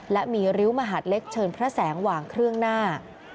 และมีริ้วมหาดเล็กเชิญพระแสงวางเครื่องหน้า